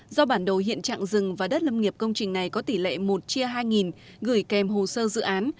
do bản đồ hiện trạng rừng và đất lâm nghiệp công trình này có tỷ lệ một chia hai gửi kèm hồ sơ dự án